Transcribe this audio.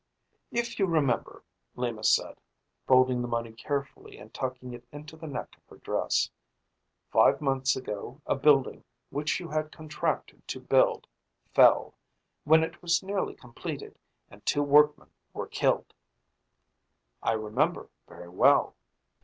"If you remember," Lima said, folding the money carefully and tucking it into the neck of her dress, "five months ago a building which you had contracted to build fell, when it was nearly completed, and two workmen were killed." "I remember very well."